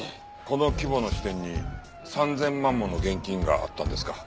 この規模の支店に３０００万もの現金があったんですか？